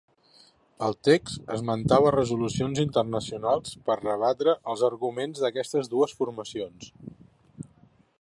El text esmentava resolucions internacionals per a rebatre els arguments d’aquestes dues formacions.